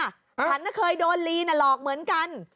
ฉันเคยโดนลีน่ะหลอกเหมือนกัน